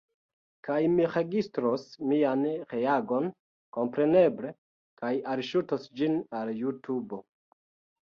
Kaj mi registros mian reagon, kompreneble, kaj alŝutos ĝin al Jutubo.